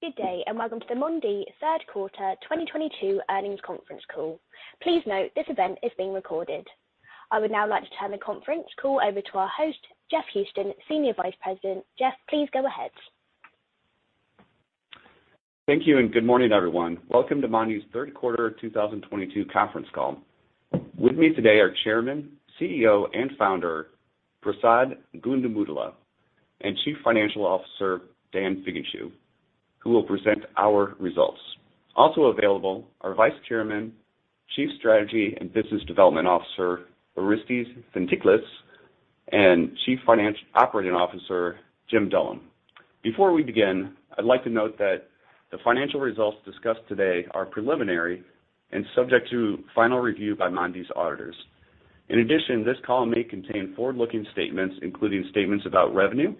Good day, and welcome to the Mondee Q3 2022 earnings conference call. Please note this event is being recorded. I would now like to turn the conference call over to our host, Jeff Houston, Senior Vice President. Jeff, please go ahead. Thank you and good morning, everyone. Welcome to Mondee's Q3 2022 conference call. With me today are Chairman, CEO, and Founder, Prasad Gundumogula, and Chief Financial Officer, Dan Figenshu, who will present our results. Also available are Vice Chairman, Chief Strategy and Business Development Officer, Orestes Fintiklis, and Chief Operating Officer, Jim Dullum. Before we begin, I'd like to note that the financial results discussed today are preliminary and subject to final review by Mondee's auditors. In addition, this call may contain forward-looking statements, including statements about revenue,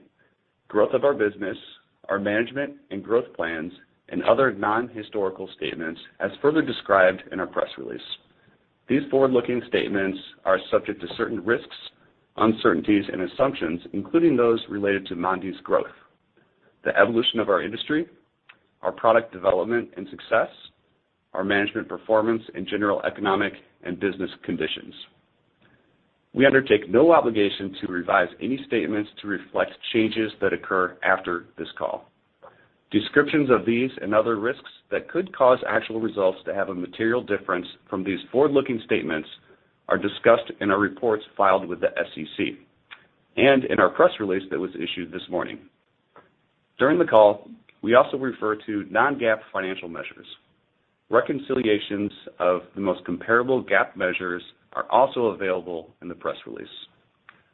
growth of our business, our management and growth plans, and other non-historical statements as further described in our press release. These forward-looking statements are subject to certain risks, uncertainties, and assumptions, including those related to Mondee's growth, the evolution of our industry, our product development and success, our management performance in general economic and business conditions. We undertake no obligation to revise any statements to reflect changes that occur after this call. Descriptions of these and other risks that could cause actual results to have a material difference from these forward-looking statements are discussed in our reports filed with the SEC and in our press release that was issued this morning. During the call, we also refer to non-GAAP financial measures. Reconciliations of the most comparable GAAP measures are also available in the press release,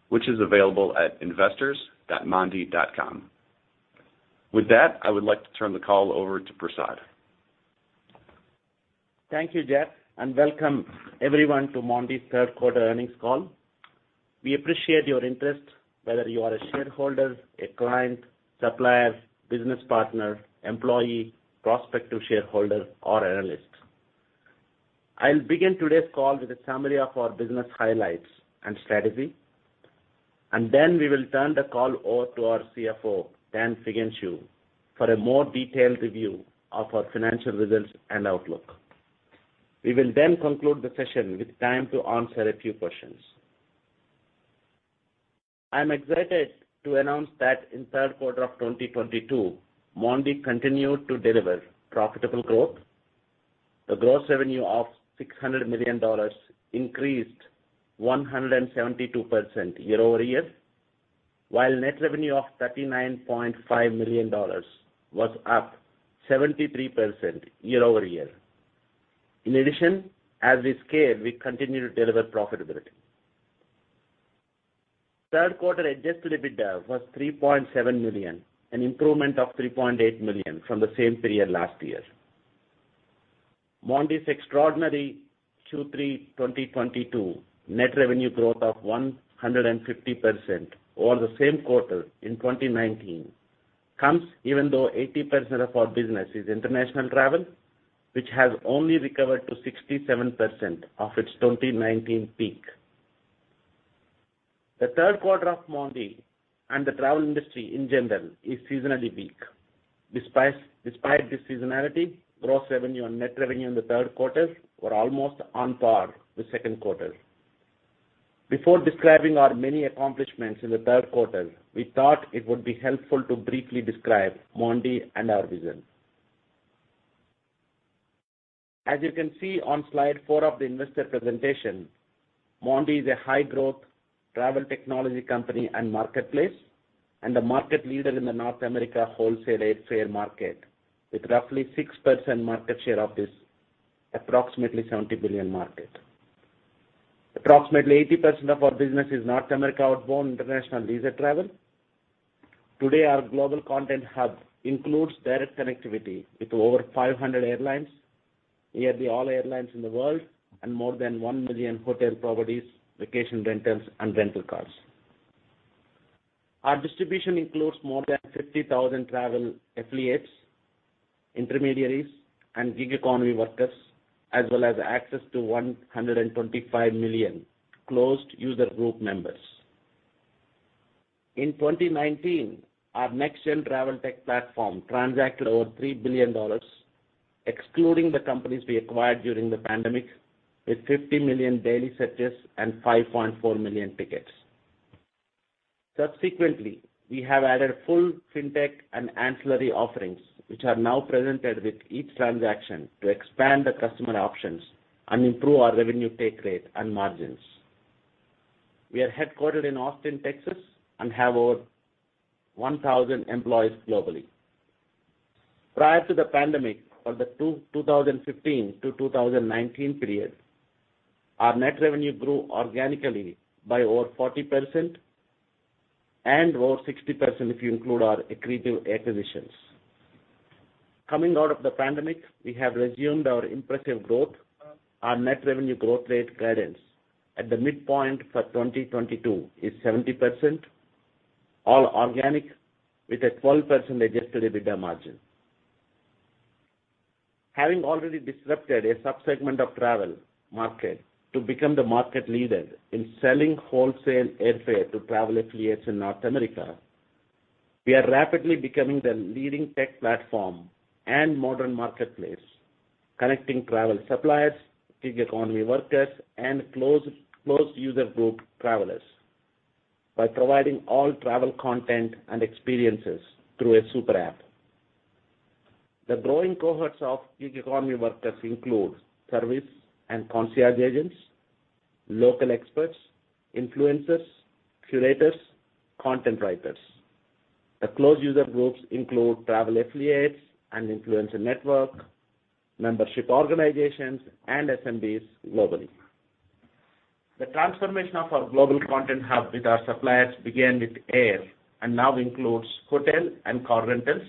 which is available at investors.mondee.com. With that, I would like to turn the call over to Prasad. Thank you, Jeff, and welcome everyone to Mondee's Q3 earnings call. We appreciate your interest, whether you are a shareholder, a client, supplier, business partner, employee, prospective shareholder or analyst. I'll begin today's call with a summary of our business highlights and strategy, and then we will turn the call over to our CFO, Dan Figenshu, for a more detailed review of our financial results and outlook. We will then conclude the session with time to answer a few questions. I'm excited to announce that in Q3 of 2022, Mondee continued to deliver profitable growth. The gross revenue of $600 million increased 172% year-over-year, while net revenue of $39.5 million was up 73% year-over-year. In addition, as we scale, we continue to deliver profitability. Q3 adjusted EBITDA was $3.7 million, an improvement of $3.8 million from the same period last year. Mondee's extraordinary Q3 2022 net revenue growth of 150% over the same quarter in 2019 comes even though 80% of our business is international travel, which has only recovered to 67% of its 2019 peak. The Q3 of Mondee and the travel industry in general is seasonally weak. Despite this seasonality, gross revenue and net revenue in the Q3 were almost on par with Q2. Before describing our many accomplishments in the Q3, we thought it would be helpful to briefly describe Mondee and our vision. As you can see on slide four of the investor presentation, Mondee is a high-growth travel technology company and marketplace, and the market leader in the North America wholesale airfare market, with roughly 6% market share of this approximately $70 billion market. Approximately 80% of our business is North America outbound international leisure travel. Today, our global content hub includes direct connectivity with over 500 airlines, nearly all airlines in the world, and more than 1 million hotel properties, vacation rentals, and rental cars. Our distribution includes more than 50,000 travel affiliates, intermediaries, and gig economy workers, as well as access to 125 million closed user group members. In 2019, our next gen travel tech platform transacted over $3 billion, excluding the companies we acquired during the pandemic, with 50 million daily searches and 5.4 million tickets. Subsequently, we have added full fintech and ancillary offerings, which are now presented with each transaction to expand the customer options and improve our revenue take rate and margins. We are headquartered in Austin, Texas, and have over 1,000 employees globally. Prior to the pandemic, for the 2015-2019 period, our net revenue grew organically by over 40% and over 60% if you include our accretive acquisitions. Coming out of the pandemic, we have resumed our impressive growth. Our net revenue growth rate guidance at the midpoint for 2022 is 70% all organic, with a 12% adjusted EBITDA margin. Having already disrupted a subsegment of travel market to become the market leader in selling wholesale airfare to travel affiliates in North America, we are rapidly becoming the leading tech platform and modern marketplace, connecting travel suppliers, gig economy workers, and closed user group travelers by providing all travel content and experiences through a super app. The growing cohorts of gig economy workers include service and concierge agents, local experts, influencers, curators, content writers. The closed user groups include travel affiliates and influencer network, membership organizations, and SMBs globally. The transformation of our global content hub with our suppliers began with air and now includes hotel and car rentals,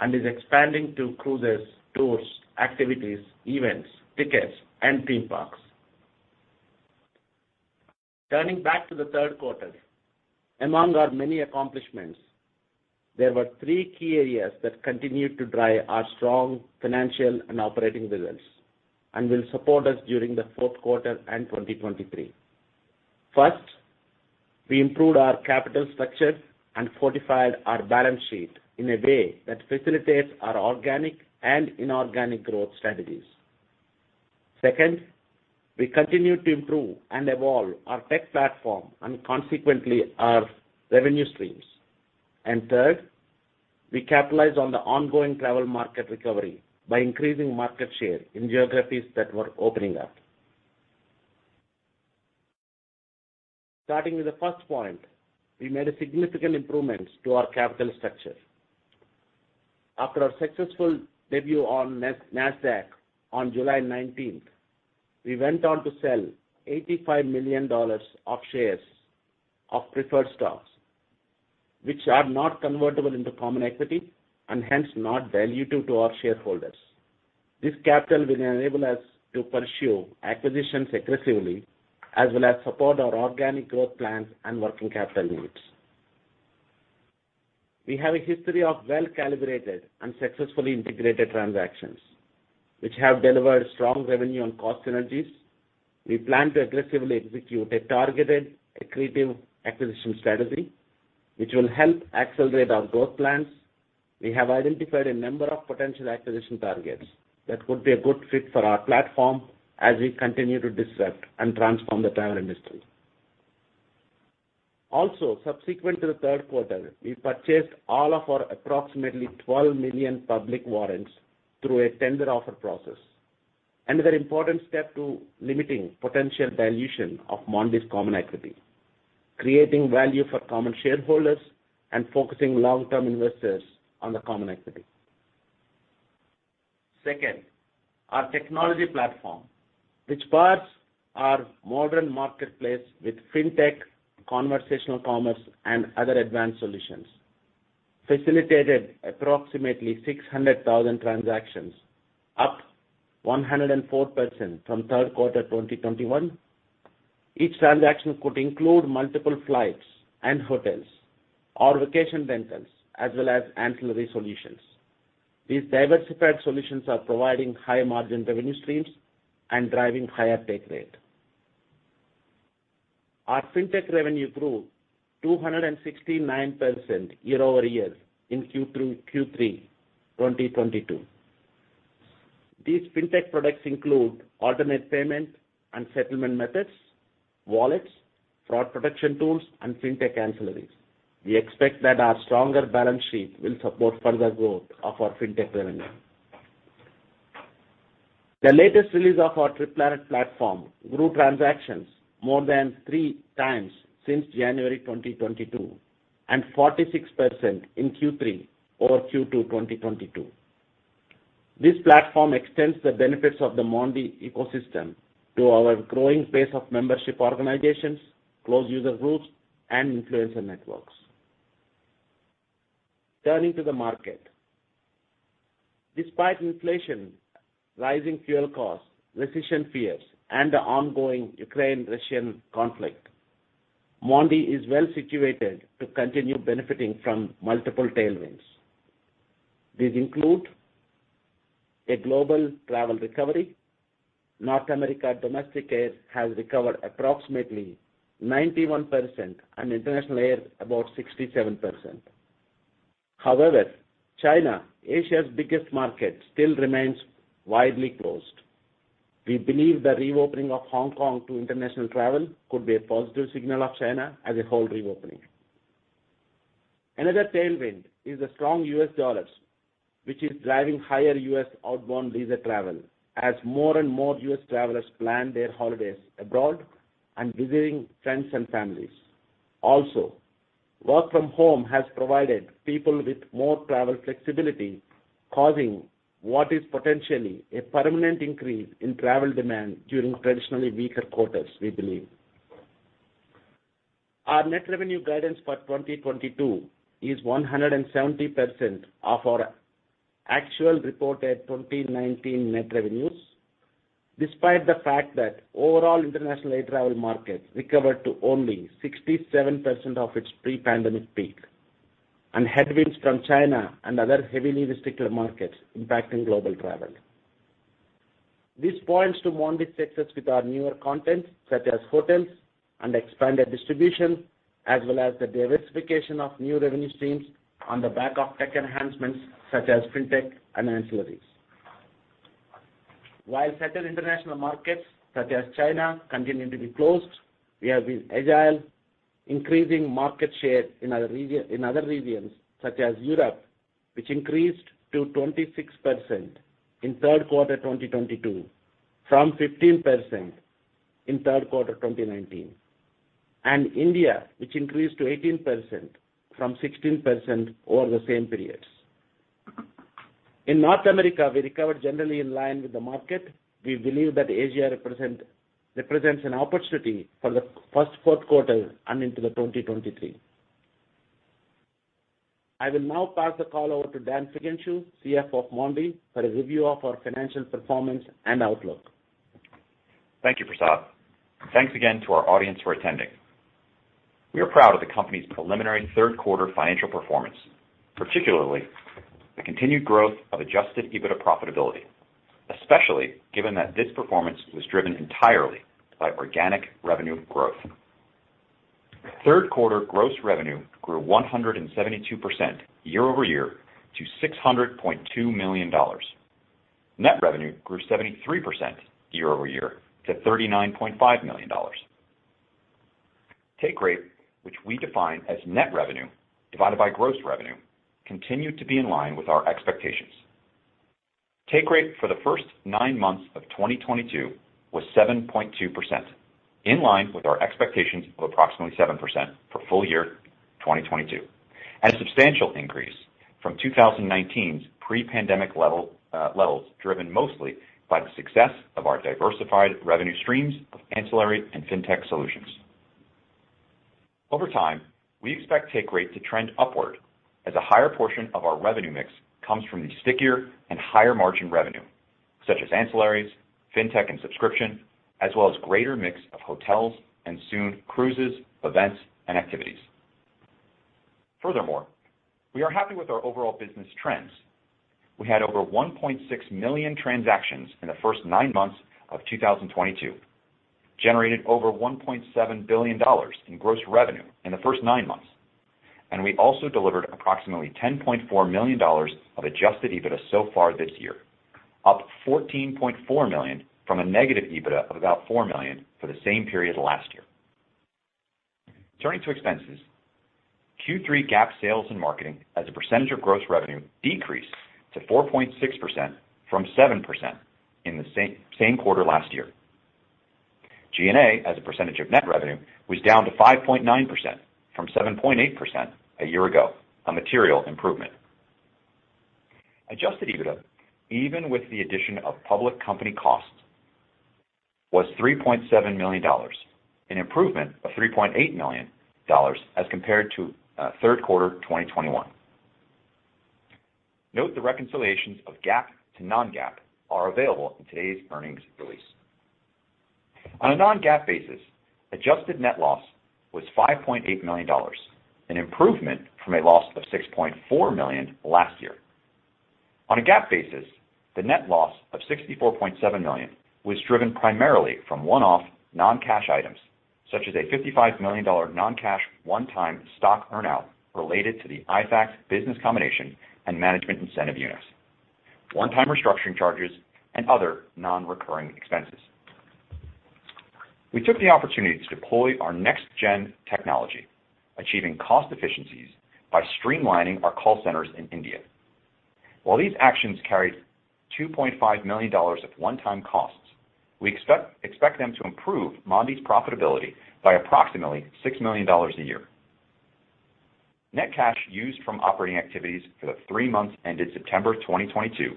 and is expanding to cruises, tours, activities, events, tickets, and theme parks. Turning back to the Q3, among our many accomplishments, there were three key areas that continued to drive our strong financial and operating results and will support us during the Q4 and 2023. First, we improved our capital structure and fortified our balance sheet in a way that facilitates our organic and inorganic growth strategies. Second, we continued to improve and evolve our tech platform and consequently our revenue streams. Third, we capitalized on the ongoing travel market recovery by increasing market share in geographies that were opening up. Starting with the first point, we made significant improvements to our capital structure. After our successful debut on Nasdaq on July 19, we went on to sell $85 million of shares of preferred stocks, which are not convertible into common equity and hence not dilutive to our shareholders. This capital will enable us to pursue acquisitions aggressively as well as support our organic growth plans and working capital needs. We have a history of well-calibrated and successfully integrated transactions, which have delivered strong revenue on cost synergies. We plan to aggressively execute a targeted, accretive acquisition strategy, which will help accelerate our growth plans. We have identified a number of potential acquisition targets that would be a good fit for our platform as we continue to disrupt and transform the travel industry. Also, subsequent to the Q3, we purchased all of our approximately 12 million public warrants through a tender offer process, another important step to limiting potential dilution of Mondee's common equity, creating value for common shareholders, and focusing long-term investors on the common equity. Second, our technology platform, which powers our modern marketplace with fintech, conversational commerce, and other advanced solutions, facilitated approximately 600,000 transactions, up 104% from Q3 2021. Each transaction could include multiple flights and hotels or vacation rentals, as well as ancillary solutions. These diversified solutions are providing high-margin revenue streams and driving higher take rate. Our fintech revenue grew 269% year-over-year in Q3 2022. These fintech products include alternate payment and settlement methods, wallets, fraud protection tools, and fintech ancillaries. We expect that our stronger balance sheet will support further growth of our fintech revenue. The latest release of our TripPlanet platform grew transactions more than 3 times since January 2022, and 46% in Q3 over Q2 2022. This platform extends the benefits of the Mondee ecosystem to our growing base of membership organizations, closed user groups, and influencer networks. Turning to the market. Despite inflation, rising fuel costs, recession fears, and the ongoing Ukraine-Russian conflict, Mondee is well situated to continue benefiting from multiple tailwinds. These include a global travel recovery. North America domestic air has recovered approximately 91% and international air about 67%. However, China, Asia's biggest market, still remains widely closed. We believe the reopening of Hong Kong to international travel could be a positive signal of China as a whole reopening. Another tailwind is the strong US dollars, which is driving higher U.S. outbound leisure travel as more and more U.S. travelers plan their holidays abroad and visiting friends and families. Also, work from home has provided people with more travel flexibility, causing what is potentially a permanent increase in travel demand during traditionally weaker quarters, we believe. Our net revenue guidance for 2022 is 170% of our actual reported 2019 net revenues, despite the fact that overall international air travel markets recovered to only 67% of its pre-pandemic peak. Headwinds from China and other heavily restricted markets impacting global travel. This points to Mondee's success with our newer content, such as hotels and expanded distribution, as well as the diversification of new revenue streams on the back of tech enhancements such as fintech and ancillaries. While certain international markets, such as China, continue to be closed, we have been agile, increasing market share in other regions, such as Europe, which increased to 26% in Q3 2022, from 15% in Q3 2019. India, which increased to 18% from 16% over the same periods. In North America, we recovered generally in line with the market. We believe that Asia represents an opportunity for the Q4 and into 2023. I will now pass the call over to Dan Figenshu, CFO of Mondee, for a review of our financial performance and outlook. Thank you, Prasad. Thanks again to our audience for attending. We are proud of the company's preliminary Q3 financial performance, particularly the continued growth of adjusted EBITDA profitability, especially given that this performance was driven entirely by organic revenue growth. Q3 gross revenue grew 172% year-over-year to $600.2 million. Net revenue grew 73% year-over-year to $39.5 million. Take rate, which we define as net revenue divided by gross revenue, continued to be in line with our expectations. Take rate for the first nine months of 2022 was 7.2%, in line with our expectations of approximately 7% for full year 2022, and a substantial increase from 2019's pre-pandemic levels, driven mostly by the success of our diversified revenue streams of ancillary and fintech solutions. Over time, we expect take rate to trend upward as a higher portion of our revenue mix comes from the stickier and higher-margin revenue, such as ancillaries, fintech and subscription, as well as greater mix of hotels and soon cruises, events, and activities. Furthermore, we are happy with our overall business trends. We had over 1.6 million transactions in the first nine months of 2022, generated over $1.7 billion in gross revenue in the first nine months, and we also delivered approximately $10.4 million of adjusted EBITDA so far this year, up $14.4 million from a negative EBITDA of about $4 million for the same period last year. Turning to expenses, Q3 GAAP sales and marketing as a percentage of gross revenue decreased to 4.6% from 7% in the same quarter last year. G&A as a percentage of net revenue was down to 5.9% from 7.8% a year ago, a material improvement. Adjusted EBITDA, even with the addition of public company costs, was $3.7 million, an improvement of $3.8 million as compared to Q3 2021. Note the reconciliations of GAAP to non-GAAP are available in today's earnings release. On a non-GAAP basis, adjusted net loss was $5.8 million, an improvement from a loss of $6.4 million last year. On a GAAP basis, the net loss of $64.7 million was driven primarily from one-off non-cash items, such as a $55 million non-cash one-time stock earnout related to the ITHAX business combination and management incentive units, one-time restructuring charges, and other non-recurring expenses. We took the opportunity to deploy our next-gen technology, achieving cost efficiencies by streamlining our call centers in India. While these actions carried $2.5 million of one-time costs, we expect them to improve Mondee's profitability by approximately $6 million a year. Net cash used from operating activities for the three months ended September 2022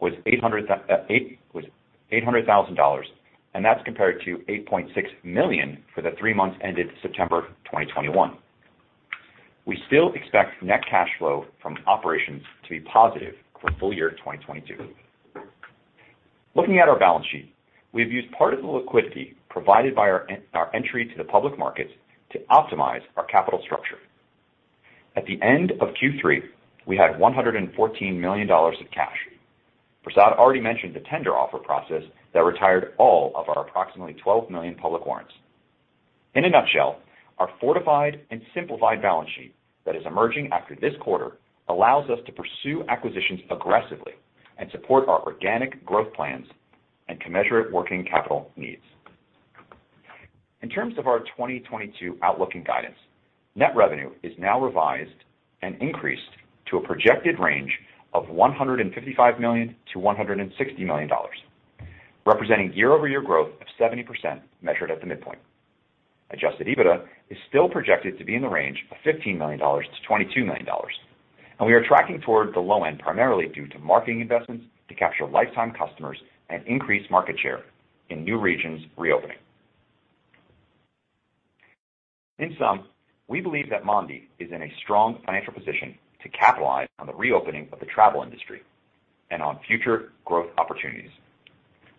was $800,000, and that's compared to $8.6 million for the three months ended September 2021. We still expect net cash flow from operations to be positive for full year 2022. Looking at our balance sheet, we've used part of the liquidity provided by our entry to the public markets to optimize our capital structure. At the end of Q3, we had $114 million of cash. Prasad already mentioned the tender offer process that retired all of our approximately 12 million public warrants. In a nutshell, our fortified and simplified balance sheet that is emerging after this quarter allows us to pursue acquisitions aggressively and support our organic growth plans and commensurate working capital needs. In terms of our 2022 outlook and guidance, net revenue is now revised and increased to a projected range of $155 million to $160 million, representing year-over-year growth of 70% measured at the midpoint. Adjusted EBITDA is still projected to be in the range of $15 million to $22 million, and we are tracking toward the low end primarily due to marketing investments to capture lifetime customers and increase market share in new regions reopening. In sum, we believe that Mondee is in a strong financial position to capitalize on the reopening of the travel industry and on future growth opportunities.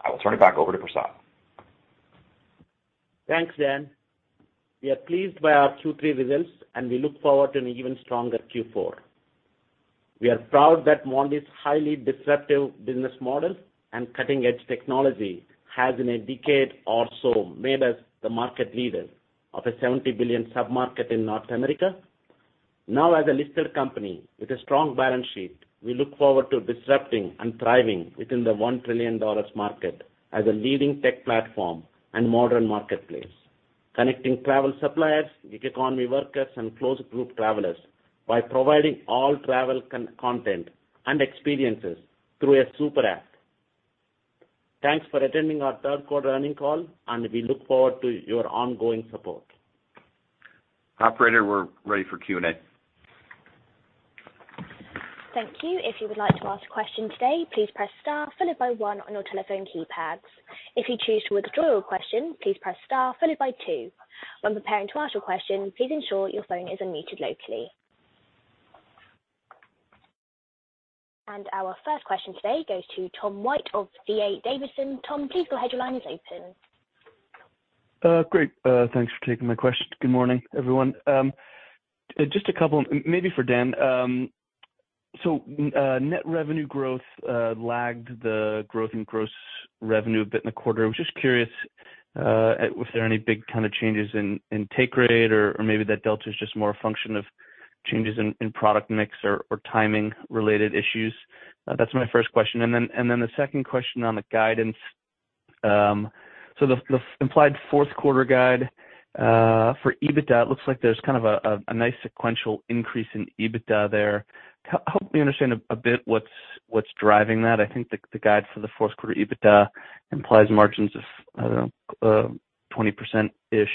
I will turn it back over to Prasad. Thanks, Dan. We are pleased by our Q3 results, and we look forward to an even stronger Q4. We are proud that Mondee's highly disruptive business model and cutting-edge technology has in a decade or so made us the market leader of a $70 billion sub-market in North America. Now, as a listed company with a strong balance sheet, we look forward to disrupting and thriving within the $1 trillion market as a leading tech platform and modern marketplace, connecting travel suppliers, gig economy workers, and closed group travelers by providing all travel content and experiences through a super app. Thanks for attending our Q3 earnings call, and we look forward to your ongoing support. Operator, we're ready for Q&A. Thank you. If you would like to ask a question today, please press star followed by one on your telephone keypads. If you choose to withdraw your question, please press star followed by two. When preparing to ask your question, please ensure your phone is unmuted locally. Our first question today goes to Tom White of D.A. Davidson. Tom, please go ahead. Your line is open. Great. Thanks for taking my question. Good morning, everyone. Just a couple, maybe for Dan. So, net revenue growth lagged the growth in gross revenue a bit in the quarter. I was just curious, was there any big kind of changes in take rate or maybe that delta is just more a function of changes in product mix or timing related issues? That's my first question. Then the second question on the guidance. So the implied Q4 guide for EBITDA, it looks like there's kind of a nice sequential increase in EBITDA there. Help me understand a bit what's driving that. I think the guide for the Q4 EBITDA implies margins of 20%-ish,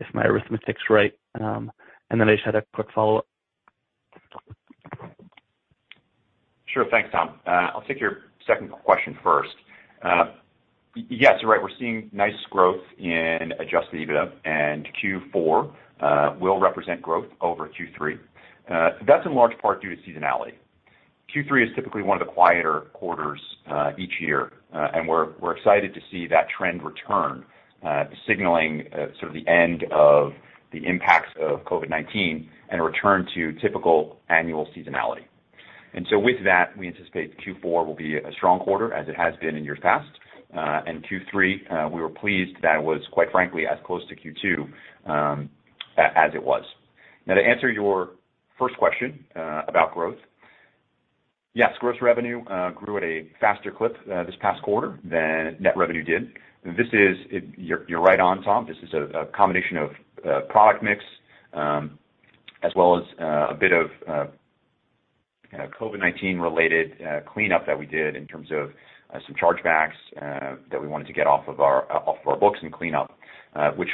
if my arithmetic's right. I just had a quick follow-up. Sure. Thanks, Tom. I'll take your second question first. Yes, you're right. We're seeing nice growth in adjusted EBITDA, and Q4 will represent growth over Q3. That's in large part due to seasonality. Q3 is typically one of the quieter quarters each year. We're excited to see that trend return, signaling sort of the end of the impacts of COVID-19 and a return to typical annual seasonality. With that, we anticipate Q4 will be a strong quarter, as it has been in years past. Q3 we were pleased that it was quite frankly as close to Q2 as it was. Now to answer your first question about growth. Yes, gross revenue grew at a faster clip this past quarter than net revenue did. You're right on, Tom. This is a combination of product mix, as well as a bit of COVID-19 related cleanup that we did in terms of some chargebacks that we wanted to get off our books and clean up, which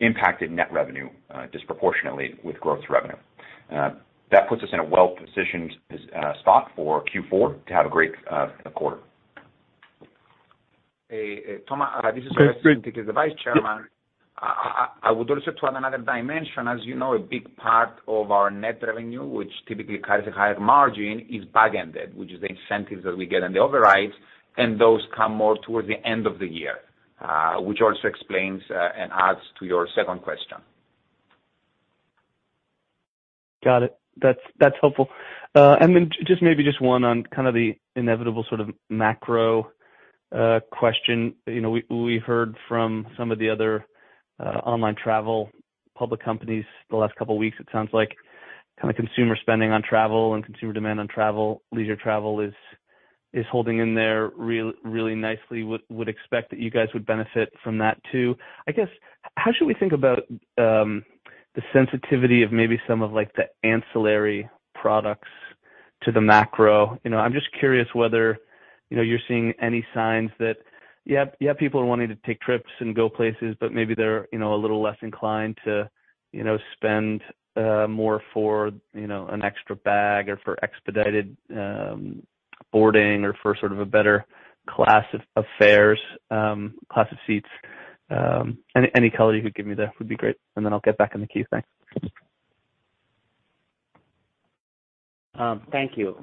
impacted net revenue disproportionately with growth revenue. That puts us in a well-positioned spot for Q4 to have a great quarter. Hey, Tom. This is Orestes as the Vice Chairman. Yes. I would also add another dimension. As you know, a big part of our net revenue, which typically carries a higher margin, is back-ended, which is the incentives that we get on the overrides, and those come more towards the end of the year, which also explains, and adds to your second question. Got it. That's helpful. And then just maybe just one on kind of the inevitable sort of macro question. You know, we heard from some of the other online travel public companies the last couple weeks. It sounds like kinda consumer spending on travel and consumer demand on travel, leisure travel is holding in there really nicely. Would expect that you guys would benefit from that too. I guess, how should we think about the sensitivity of maybe some of like the ancillary products to the macro? You know, I'm just curious whether, you know, you're seeing any signs that you have people wanting to take trips and go places, but maybe they're, you know, a little less inclined to, you know, spend more for, you know, an extra bag or for expedited boarding or for sort of a better class of fares, class of seats. Any color you could give me there would be great. I'll get back in the queue. Thanks. Thank you.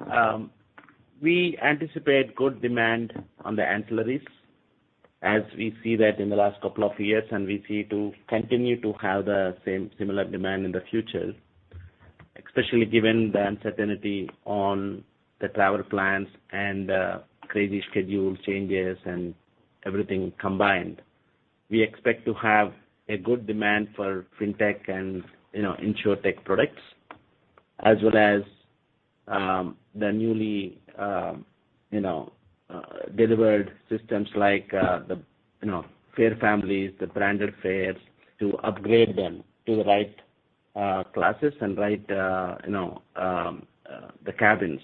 We anticipate good demand on the ancillaries as we see that in the last couple of years, and we see to continue to have the same similar demand in the future, especially given the uncertainty on the travel plans and crazy schedule changes and everything combined. We expect to have a good demand for fintech and, you know, insurtech products as well as the newly, you know, delivered systems like the, you know, fare families, the branded fares to upgrade them to the right classes and right, you know, the cabins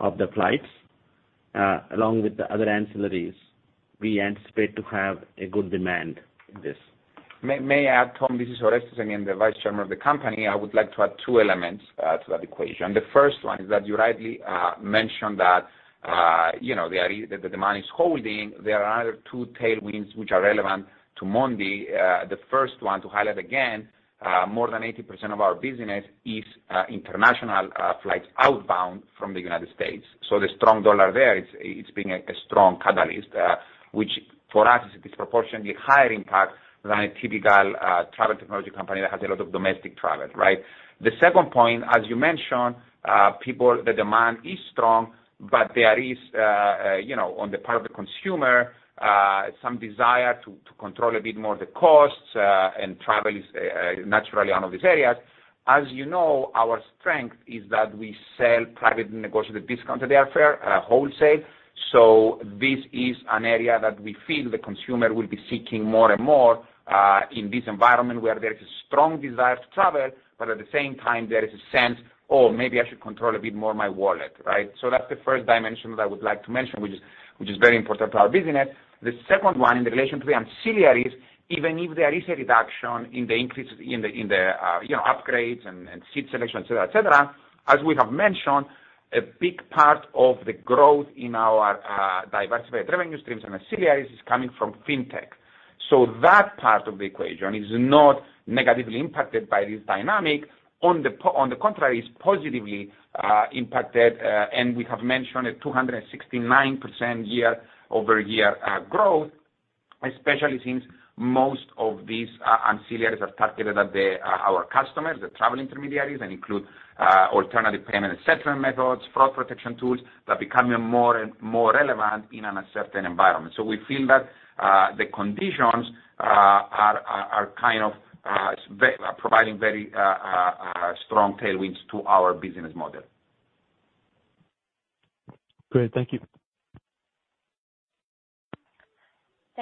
of the flights along with the other ancillaries, we anticipate to have a good demand in this. May I add, Tom? This is Orestes again, the Vice Chairman of the company. I would like to add two elements to that equation. The first one is that you rightly mentioned that you know, the demand is holding. There are other two tailwinds which are relevant to Mondee. The first one to highlight again, more than 80% of our business is international flights outbound from the United States. So the strong dollar there, it's been a strong catalyst which for us is a disproportionately higher impact than a typical travel technology company that has a lot of domestic travel, right? The second point, as you mentioned, the demand is strong, but there is, you know, on the part of the consumer, some desire to control a bit more of the costs, and travel is naturally one of these areas. As you know, our strength is that we sell private negotiated discounted airfare, wholesale. So this is an area that we feel the consumer will be seeking more and more, in this environment where there is a strong desire to travel, but at the same time, there is a sense, "Oh, maybe I should control a bit more my wallet." Right? So that's the first dimension that I would like to mention, which is very important to our business. The second one in relation to the ancillaries, even if there is a reduction in the increase in the you know, upgrades and seat selection, et cetera, as we have mentioned, a big part of the growth in our diversified revenue streams and ancillaries is coming from fintech. That part of the equation is not negatively impacted by this dynamic. On the contrary, it's positively impacted, and we have mentioned a 269% year-over-year growth, especially since most of these ancillaries are targeted at our customers, the travel intermediaries that include alternative payment and settlement methods, fraud protection tools, they're becoming more and more relevant in an uncertain environment. We feel that the conditions are kind of strong tailwinds to our business model. Great. Thank you.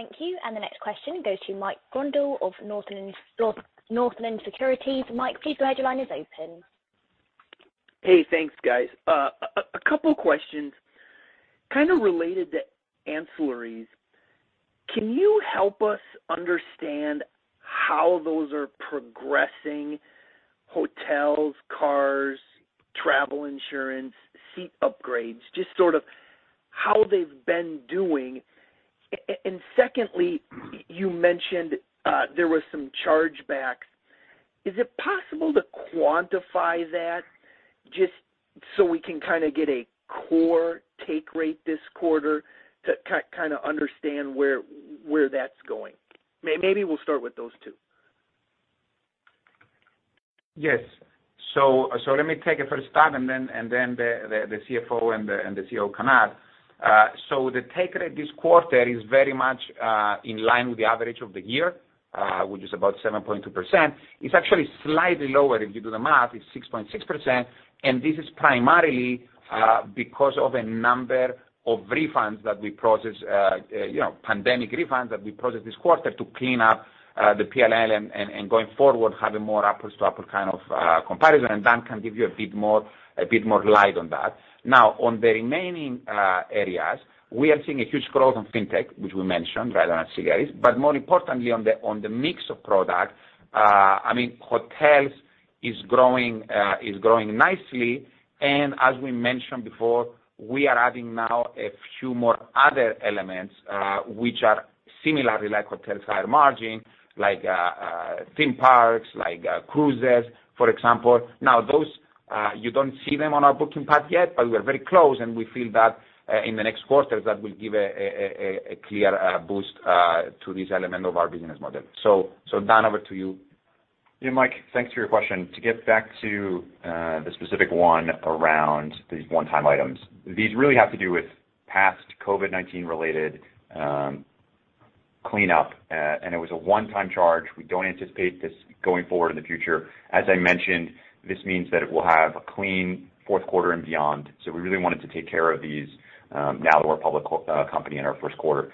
Thank you. The next question goes to Mike Grondahl of Northland Securities. Mike, please go ahead. Your line is open. Hey, thanks, guys. A couple of questions kind of related to ancillaries. Can you help us understand how those are progressing, hotels, cars, travel insurance, seat upgrades, just sort of how they've been doing? Secondly, you mentioned there was some chargebacks. Is it possible to quantify that just so we can kinda get a core take rate this quarter to kinda understand where that's going? Maybe we'll start with those two. Yes. Let me take it for a start, and then the CFO and the CEO come out. The take rate this quarter is very much in line with the average of the year, which is about 7.2%. It's actually slightly lower if you do the math, it's 6.6%, and this is primarily because of a number of refunds that we process, you know, pandemic refunds that we process this quarter to clean up the PNL and going forward, having more apples-to-apples kind of comparison. Dan can give you a bit more light on that. Now, on the remaining areas, we are seeing a huge growth on fintech, which we mentioned, rather than ancillaries. More importantly, on the mix of product, I mean, hotels is growing nicely. As we mentioned before, we are adding now a few more other elements which are similarly like hotels, higher margin, like theme parks, like cruises, for example. Now those you don't see them on our booking path yet, but we are very close, and we feel that in the next quarters, that will give a clear boost to this element of our business model. Dan, over to you. Yeah, Mike, thanks for your question. To get back to the specific one around these one-time items, these really have to do with past COVID-19 related cleanup, and it was a one-time charge. We don't anticipate this going forward in the future. As I mentioned, this means that we'll have a clean Q4 and beyond. We really wanted to take care of these now that we're a public company in our Q1.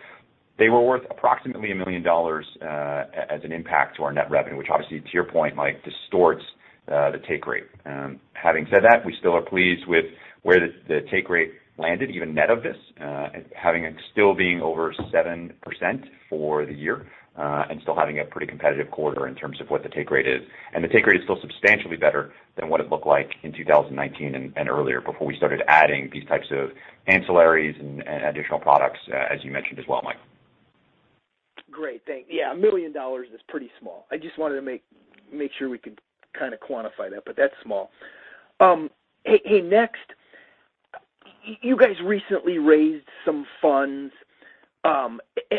They were worth approximately $1 million as an impact to our net revenue, which obviously, to your point, Mike, distorts the take rate. Having said that, we still are pleased with where the take rate landed, even net of this, having it still being over 7% for the year, and still having a pretty competitive quarter in terms of what the take rate is. The take rate is still substantially better than what it looked like in 2019 and earlier before we started adding these types of ancillaries and additional products, as you mentioned as well, Mike. Great. Thank you. Yeah, $1 million is pretty small. I just wanted to make sure we could kinda quantify that, but that's small. Hey, next, you guys recently raised some funds.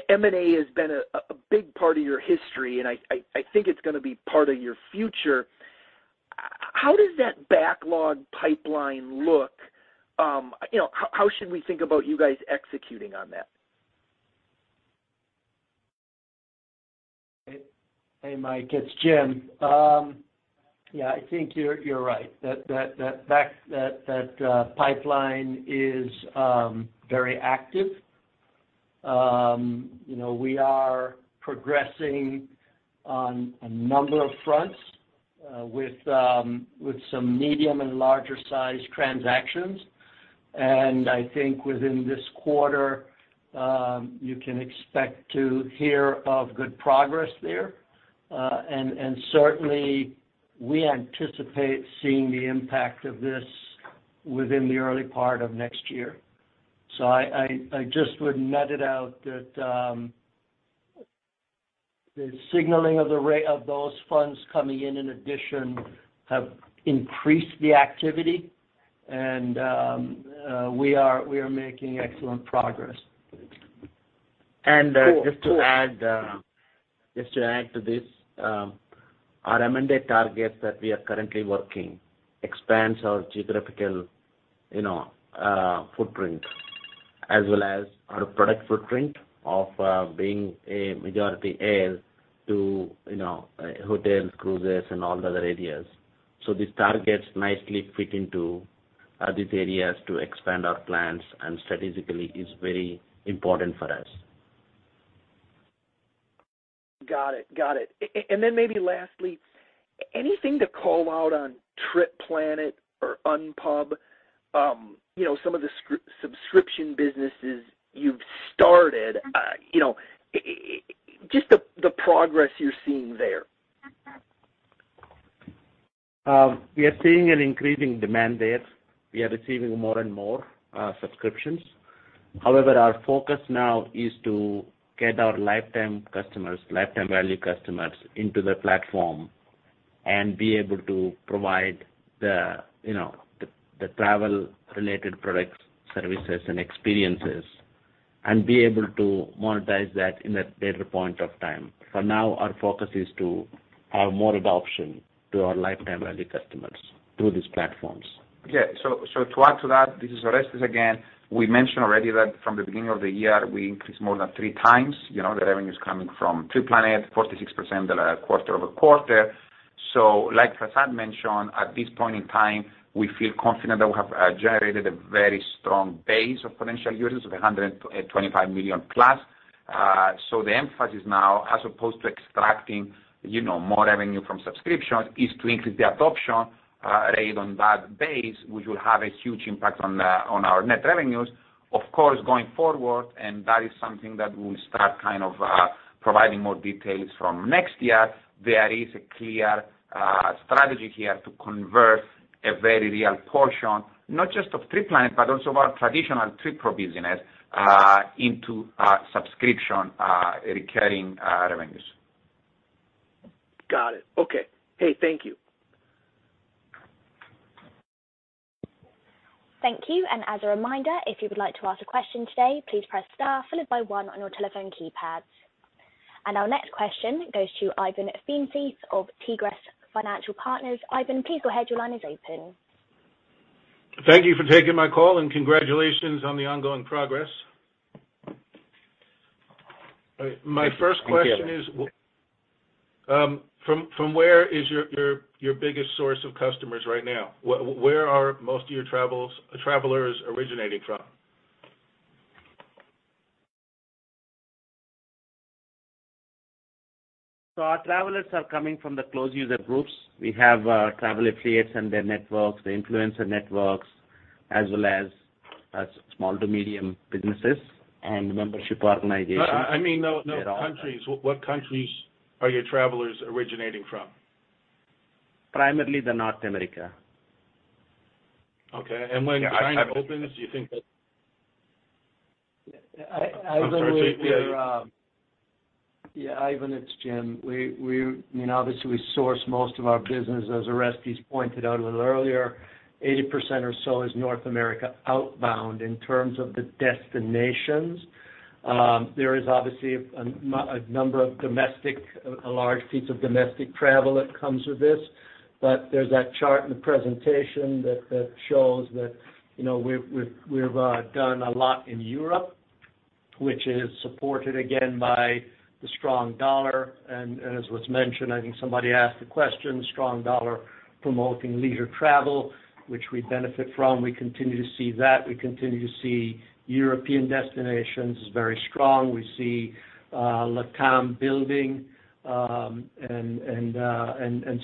M&A has been a big part of your history, and I think it's gonna be part of your future. How does that backlog pipeline look? You know, how should we think about you guys executing on that? Hey, Mike. It's Jim. Yeah, I think you're right. That pipeline is very active. You know, we are progressing on a number of fronts with some medium- and larger-sized transactions. I think within this quarter you can expect to hear of good progress there. Certainly we anticipate seeing the impact of this within the early part of next year. I just would net it out that the signaling of the raising of those funds coming in in addition have increased the activity and we are making excellent progress. Just to add to this, our amended targets that we are currently working expands our geographical, you know, footprint, as well as our product footprint of being a majority player in, you know, hotels, cruises and all the other areas. These targets nicely fit into these areas to expand our plans and strategically is very important for us. Got it. Maybe lastly, anything to call out on TripPlanet or Unpub, you know, some of the subscription businesses you've started, you know, just the progress you're seeing there. We are seeing an increasing demand there. We are receiving more and more subscriptions. However, our focus now is to get our lifetime customers, lifetime value customers into the platform and be able to provide the, you know, the travel related products, services and experiences and be able to monetize that in a better point of time. For now, our focus is to have more adoption to our lifetime value customers through these platforms. To add to that, this is Orestes again. We mentioned already that from the beginning of the year we increased more than three times, you know, the revenues coming from TripPlanet, 46% quarter-over-quarter. Like Prasad mentioned, at this point in time, we feel confident that we have generated a very strong base of potential users of 125 million+. The emphasis now, as opposed to extracting, you know, more revenue from subscription, is to increase the adoption rate on that base, which will have a huge impact on our net revenues. Of course, going forward, that is something that we'll start kind of providing more details from next year. There is a clear strategy here to convert a very real portion, not just of TripPlanet, but also of our traditional TripPro business, into subscription recurring revenues. Got it. Okay. Hey, thank you. Thank you. As a reminder, if you would like to ask a question today, please press star followed by one on your telephone keypads. Our next question goes to Ivan Feinseth of Tigress Financial Partners. Ivan, please go ahead. Your line is open. Thank you for taking my call and congratulations on the ongoing progress. Thank you. My first question is from where is your biggest source of customers right now? Where are most of your travelers originating from? Our travelers are coming from the closed user groups. We have travel affiliates and their networks, the influencer networks, as well as small to medium businesses and membership organizations. I mean no countries. What countries are your travelers originating from? Primarily the North America. Okay. When China opens, do you think that? Ivan, it's Jim. I'm sorry, J.P. Yeah, Ivan, it's Jim. I mean, obviously, we source most of our business, as Orestes pointed out a little earlier, 80% or so is North America outbound in terms of the destinations. There is obviously a number of domestic, a large piece of domestic travel that comes with this. There's that chart in the presentation that shows that, you know, we've done a lot in Europe, which is supported again by the strong dollar. As was mentioned, I think somebody asked the question, strong dollar promoting leisure travel, which we benefit from. We continue to see that. We continue to see European destinations is very strong. We see LATAM building, and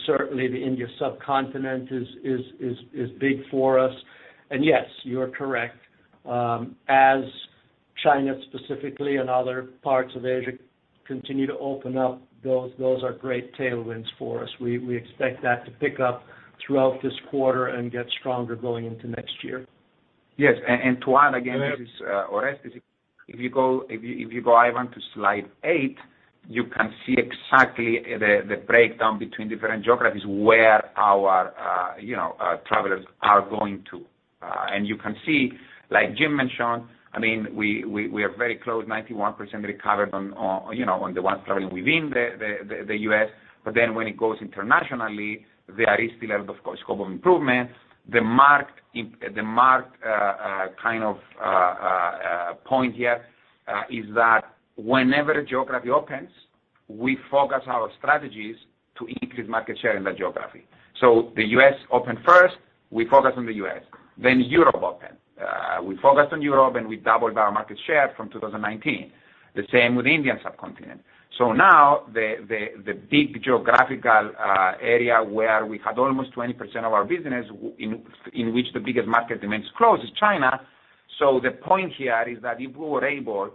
certainly the Indian subcontinent is big for us. Yes, you are correct. As China specifically and other parts of Asia continue to open up, those are great tailwinds for us. We expect that to pick up throughout this quarter and get stronger going into next year. Yes. To add, again, this is Orestes. If you go, Ivan, to slide eight, you can see exactly the breakdown between different geographies where our, you know, travelers are going to. And you can see, like Jim mentioned, I mean, we are very close, 91% recovered on, you know, on the ones traveling within the U.S. When it goes internationally, there is still a lot of scope of improvement. The marked point here is that whenever geography opens, we focus our strategies to increase market share in that geography. The U.S. opened first, we focused on the U.S. Europe opened, we focused on Europe, and we doubled our market share from 2019. The same with Indian subcontinent. Now the big geographical area where we had almost 20% of our business in which the biggest market remains closed is China. The point here is that if we were able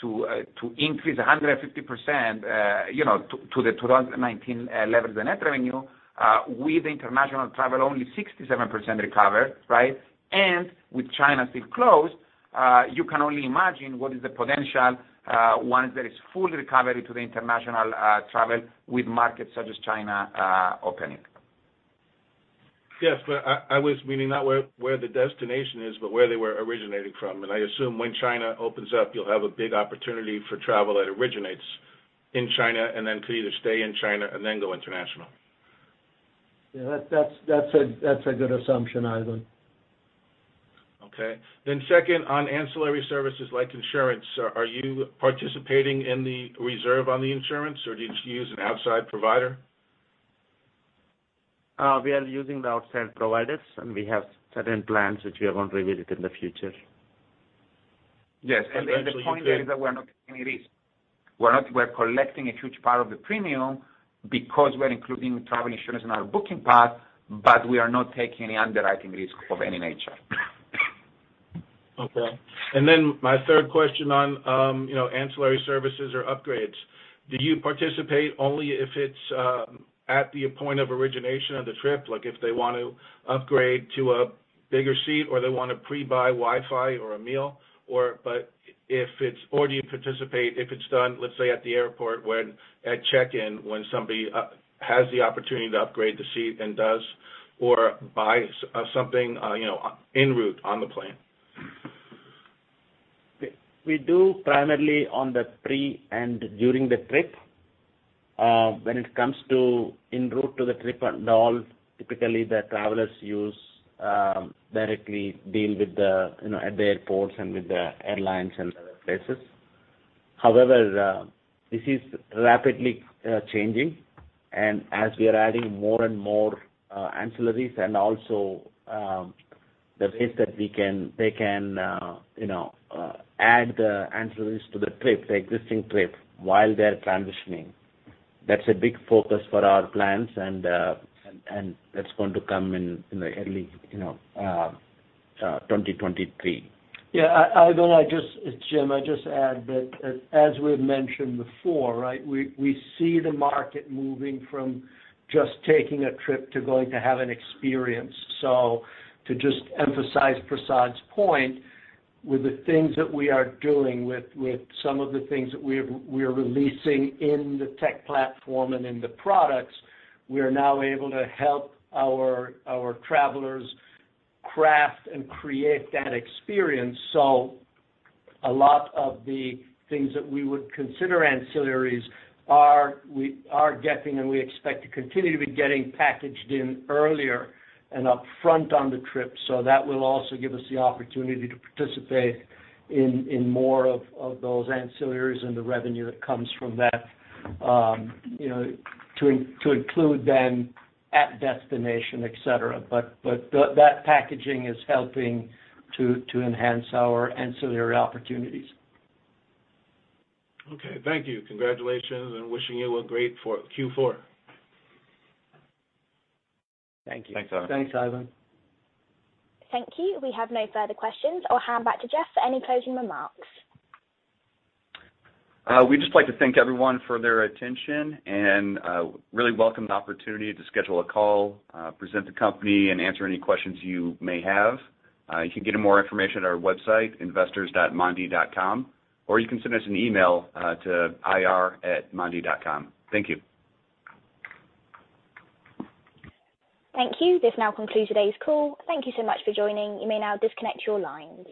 to increase 150%, you know, to the 2019 levels of net revenue, with international travel only 67% recovered, right? With China still closed, you can only imagine what is the potential once there is full recovery to the international travel with markets such as China opening. Yes, but I was meaning not where the destination is, but where they were originating from. I assume when China opens up, you'll have a big opportunity for travel that originates in China and then can either stay in China and then go international. Yeah, that's a good assumption, Ivan. Okay. Second, on ancillary services like insurance, are you participating in the reserve on the insurance, or did you use an outside provider? We are using the outside providers, and we have certain plans which we are going to revisit in the future. Yes. The point there is that we're not taking any risk. We're collecting a huge part of the premium because we're including travel insurance in our booking part, but we are not taking any underwriting risk of any nature. Okay. My third question on, you know, ancillary services or upgrades. Do you participate only if it's at the point of origination of the trip, like if they want to upgrade to a bigger seat or they wanna pre-buy Wi-Fi or a meal, or do you participate if it's done, let's say, at the airport when at check-in when somebody has the opportunity to upgrade the seat and does or buys something, you know, en route on the plane? We do primarily on the pre and during the trip. When it comes to en route to the trip and all, typically the travelers usually directly deal with the, you know, at the airports and with the airlines and other places. However, this is rapidly changing. As we are adding more and more ancillaries and also the ways that they can, you know, add the ancillaries to the trip, the existing trip while they're transitioning. That's a big focus for our plans, and that's going to come in, you know, early, you know, 2023. Yeah, Ivan, Jim, I just add that as we've mentioned before, right, we see the market moving from just taking a trip to going to have an experience. To just emphasize Prasad's point, with the things that we are doing with some of the things that we're releasing in the tech platform and in the products, we are now able to help our travelers craft and create that experience. A lot of the things that we would consider ancillaries are getting, and we expect to continue to be getting packaged in earlier and upfront on the trip. That will also give us the opportunity to participate in more of those ancillaries and the revenue that comes from that, you know, to include them at destination, et cetera. That packaging is helping to enhance our ancillary opportunities. Okay. Thank you. Congratulations and wishing you a great Q4. Thank you. Thanks, Ivan. Thanks, Ivan. Thank you. We have no further questions. I'll hand back to Jeff for any closing remarks. We'd just like to thank everyone for their attention and really welcome the opportunity to schedule a call, present the company and answer any questions you may have. You can get more information at our website, investors.mondee.com, or you can send us an email to ir@mondee.com. Thank you. Thank you. This now concludes today's call. Thank you so much for joining. You may now disconnect your lines.